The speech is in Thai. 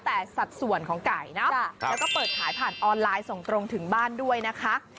แต่สัดส่วนของไก่เนาะแล้วก็เปิดขายผ่านออนไลน์ส่งตรงถึงบ้านด้วยนะคะ